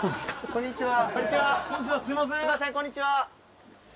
「こんにちは」